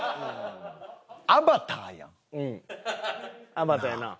『アバター』やな。